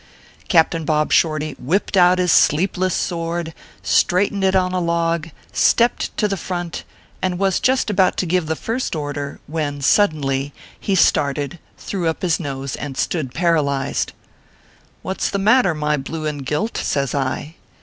Captain Bob Shorty whipped out his sleepless sword, straightened it on a log, stepped to the front, and was just about to give the first order, when, suddenly, he started, threw up his nose, and stood paralyzed. " What s the matter, my blue and gilt ?" says I.